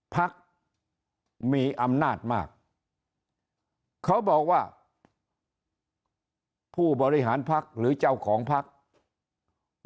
พักมีอำนาจมากเขาบอกว่าผู้บริหารพักหรือเจ้าของพัก